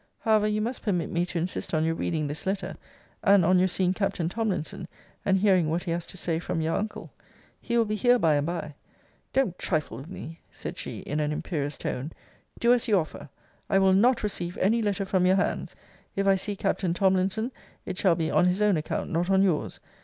However, you must permit me to insist on your reading this letter; and on your seeing Captain Tomlinson, and hearing what he has to say from your uncle. He will be here by and by. Don't trifle with me, said she in an imperious tone do as you offer. I will not receive any letter from your hands. If I see Captain Tomlinson, it shall be on his own account, not on your's.